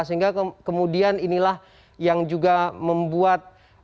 sehingga kemudian inilah yang juga membuat